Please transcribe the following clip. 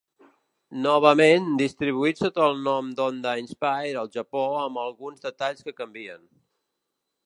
Novament, distribuït sota el nom d'Honda Inspire al Japó amb alguns detalls que canvien.